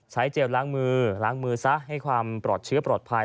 เจลล้างมือล้างมือซะให้ความปลอดเชื้อปลอดภัย